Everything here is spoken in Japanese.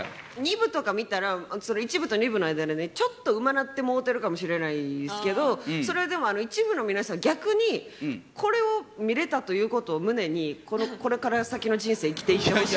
２部とか見たら１部と２部の間でねちょっとうまなってもうてるかもしれないですけどそれはでも１部の皆さん逆にこれを見れたという事を胸にこれから先の人生生きていってほしい。